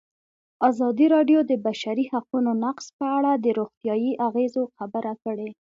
ازادي راډیو د د بشري حقونو نقض په اړه د روغتیایي اغېزو خبره کړې.